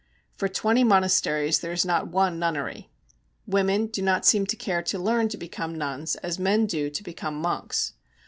For twenty monasteries there is not one nunnery. Women do not seem to care to learn to become nuns as men do to become monks.